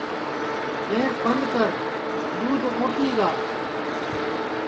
گیںٚس بند کر دؔودھ اوٹی گا